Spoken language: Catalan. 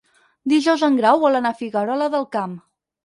Dijous en Grau vol anar a Figuerola del Camp.